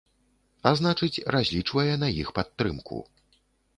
А значыць, разлічвае на іх падтрымку.